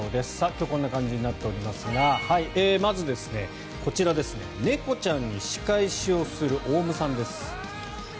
今日こんな感じになっておりますがまず、こちら猫ちゃんに仕返しをするオウムさんです。